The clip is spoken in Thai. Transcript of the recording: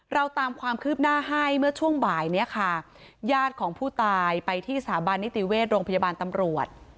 เราตามความคืบหน้าให้เมื่อช่วงบ่ายเนี่ยค่ะญาติของผู้ตายไปที่สถาบันนิติเวชโรงพยาบาลตำรวจ